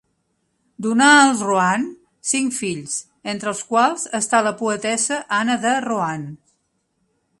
Donà als Rohan cinc fills, entre els quals està la poetessa Anna de Rohan.